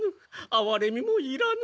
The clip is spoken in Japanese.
あわれみもいらぬ。